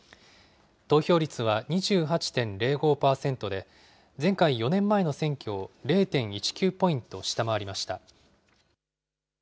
投票率は２８．０５％で、前回・４年前の選挙を０．１９ポイント下回りました。